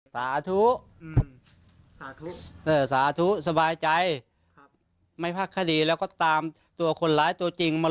สาธุสาธุสบายใจไม่ภักดีแล้วก็ตามตัวคนร้ายตัวจริงมา